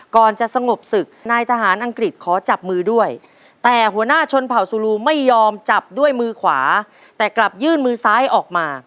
ก่อนจะสงบศึกนายทหารอังกฤษขอจับมือด้วยแต่หัวหน้าชนเผ่าซูลูไม่ยอมจับด้วยมือขวาแต่กลับยื่นมือซ้ายออกมา